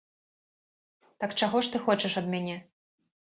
Так чаго ж ты хочаш ад мяне?